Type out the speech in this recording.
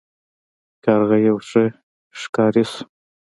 کارغه یو ښه ښکاري شو.